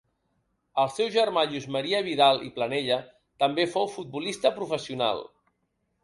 El seu germà Lluís Maria Vidal i Planella també fou futbolista professional.